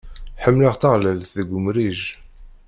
Ḥemmleɣ taɣlalt deg umrij.